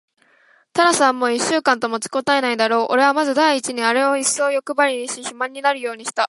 タラスはもう一週間と持ちこたえないだろう。おれはまず第一にあれをいっそうよくばりにし、肥満になるようにした。